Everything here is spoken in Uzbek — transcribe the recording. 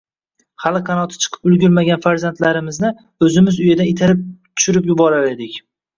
Hali qanoti chiqib ulgurmagan farzandlarimizni oʻzimiz uyadan itarib tushirib yuborar edik.